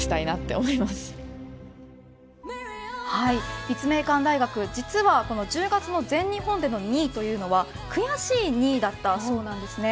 立命館大学、実は１０月の全日本での２位というのは悔しい２位だったそうなんですね。